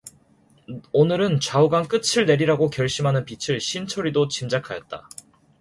오늘은 좌우간 끝을 내리라고 결심하는 빛을 신철이도 짐작하였다.